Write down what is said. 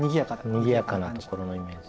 にぎやかなところのイメージ。